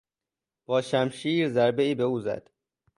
با شمشیر ضربهای به او زد.